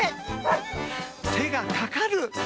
手がかかる。